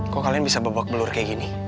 kok kalian bisa babak belur kayak gini